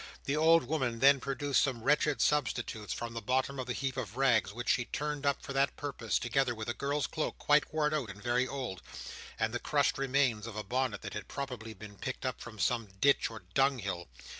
The old woman then produced some wretched substitutes from the bottom of the heap of rags, which she turned up for that purpose; together with a girl's cloak, quite worn out and very old; and the crushed remains of a bonnet that had probably been picked up from some ditch or dunghill.